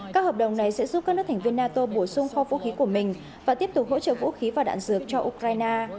các hợp đồng này sẽ giúp các nước thành viên nato bổ sung kho vũ khí của mình và tiếp tục hỗ trợ vũ khí và đạn dược cho ukraine